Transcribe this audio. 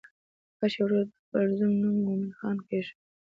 کشر ورور د خپل زوی نوم مومن خان کېښود.